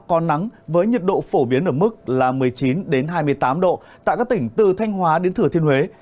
có nắng với nhiệt độ phổ biến ở mức một mươi chín hai mươi tám độ tại các tỉnh từ thanh hóa đến thừa thiên huế